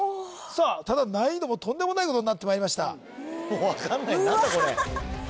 ただ難易度もとんでもないことになってまいりました分かんない何だこれうわっ！